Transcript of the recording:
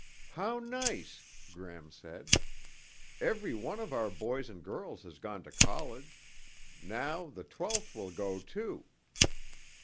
"How nice," Gram said. "Every one of our boys and girls has gone to college. Now the twelfth will go, too."